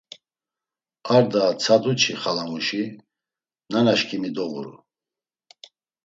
Ar daa tsadu çi xalamuşi, nanaşǩimi doğuru.